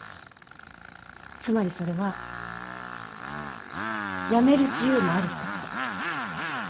つまりそれは辞める自由もあるってこと。